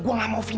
gua gak mau vy